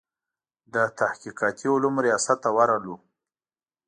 د تحقیقاتي علومو ریاست ته ورغلو.